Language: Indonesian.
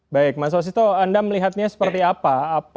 baik mas wasito anda melihatnya seperti apa